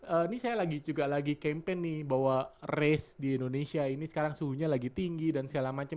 ini saya juga lagi campaign nih bahwa race di indonesia ini sekarang suhunya lagi tinggi dan segala macam